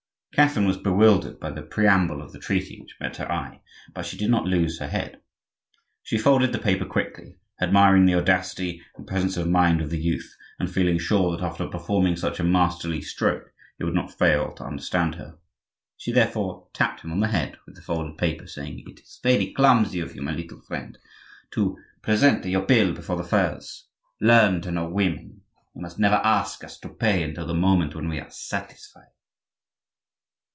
Catherine was bewildered by the preamble of the treaty which met her eye, but she did not lose her head. She folded the paper quickly, admiring the audacity and presence of mind of the youth, and feeling sure that after performing such a masterly stroke he would not fail to understand her. She therefore tapped him on the head with the folded paper, saying:— "It is very clumsy of you, my little friend, to present your bill before the furs. Learn to know women. You must never ask us to pay until the moment when we are satisfied."